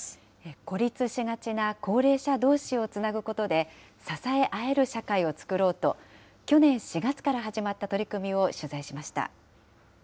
孤立しがちな高齢者どうしをつなぐことで、支えあえる社会を作ろうと、去年４月から始まった取り組みを取材しました。